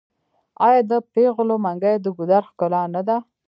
آیا د پیغلو منګي د ګودر ښکلا نه ده؟